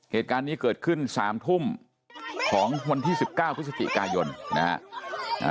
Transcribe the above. เหตุการณ์นี้เกิดขึ้น๓ทุ่มของวันที่๑๙พฤศจิกายนนะฮะ